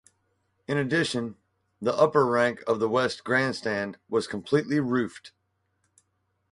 In addition, the upper rank of the west grandstand was completely roofed.